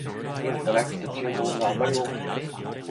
うん、これはきっと注文があまり多くて